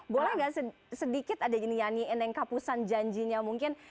boleh nggak sedikit ada yang nyanyiin yang kapusan janjinya mungkin